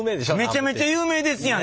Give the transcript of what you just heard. めちゃめちゃ有名ですやん！